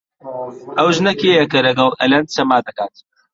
ئەو ژنە کێیە کە لەگەڵ ئەلەند سەما دەکات؟